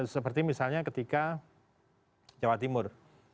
seperti misalnya ketika jawa timur